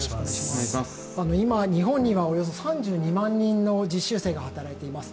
今、日本にはおよそ３２万人の実習生が働いています。